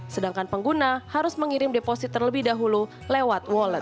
sedangkan pengguna harus mengirim deposit terlebih dahulu lewat wallet